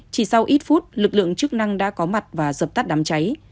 chỉ sau ít phút lực lượng chức năng đã có mặt và dập tắt đám cháy